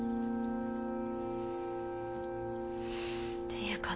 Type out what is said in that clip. ていうか